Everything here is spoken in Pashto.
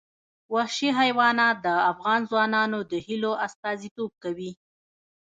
وحشي حیوانات د افغان ځوانانو د هیلو استازیتوب کوي.